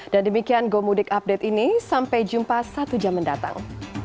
dan demikian gomudik update ini sampai jumpa satu jam mendatang